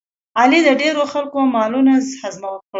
علي د ډېرو خلکو مالونه هضم کړل.